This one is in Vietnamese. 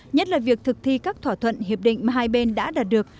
nhất là việc thực thi các thỏa thuận hiệp định mà hai bên đã đạt được